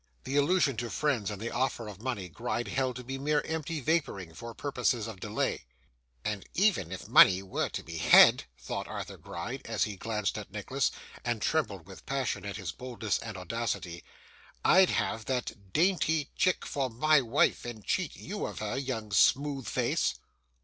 The allusion to friends, and the offer of money, Gride held to be mere empty vapouring, for purposes of delay. 'And even if money were to be had,' thought Arthur Gride, as he glanced at Nicholas, and trembled with passion at his boldness and audacity, 'I'd have that dainty chick for my wife, and cheat YOU of her, young smooth face!